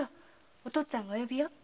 お父っつぁんがお呼びよ。